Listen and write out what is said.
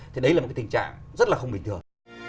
thì đấy là một cái tình trạng rất là không bình thường